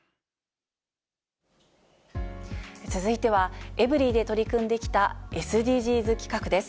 続いては、エブリィで取り組んできたＳＤＧｓ企画です。